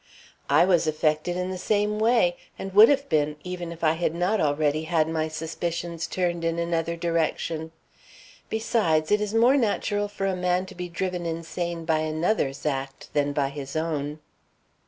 "I was affected in the same way, and would have been, even if I had not already had my suspicions turned in another direction. Besides, it is more natural for a man to be driven insane by another's act than by his own."